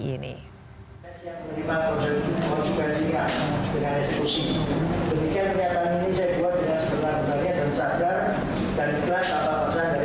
yang ini saya buat dengan sebetulnya dan sadar dan ikhlas tanpa perasaan dari orang lain